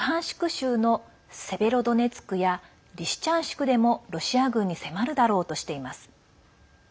州のセベロドネツクやリシチャンシクでもロシア軍に迫るだろうとしています。